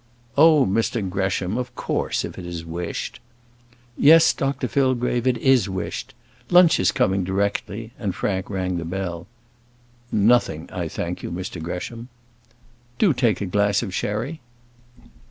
"Oh, Mr Gresham; of course, if it is wished." "Yes, Dr Fillgrave, it is wished. Lunch is coming directly:" and Frank rang the bell. "Nothing, I thank you, Mr Gresham." "Do take a glass of sherry."